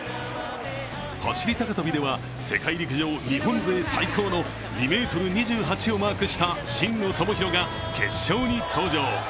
走高跳では世界陸上日本勢最高の２ｍ２８をマークした真野友博が決勝に登場。